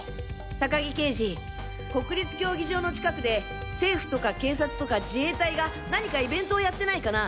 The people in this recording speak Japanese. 高木刑事国立競技場の近くで政府とか警察とか自衛隊が何かイベントをやってないかな？